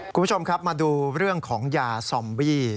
คุณผู้ชมครับมาดูเรื่องของยาซอมบี้